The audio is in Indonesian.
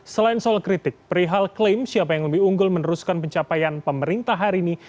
selain soal kritik perihal klaim siapa yang lebih unggul meneruskan pencapaian pemerintah hari ini